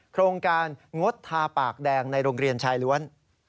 โครงการงดทาปากแดงในโรงเรียนชายล้วน